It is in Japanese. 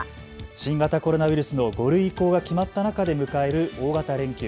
新型コロナウイルスの５類移行が決まった中で迎える大型連休。